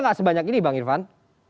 nggak sebanyak ini bang irfan